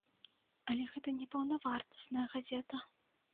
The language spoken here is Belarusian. Але гэта не паўнавартасная газета.